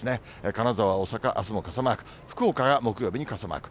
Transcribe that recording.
金沢、大阪、あすも傘マーク、福岡が木曜日に傘マーク。